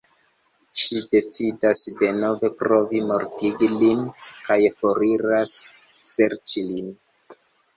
Ŝi decidas denove provi mortigi lin kaj foriras serĉi lin.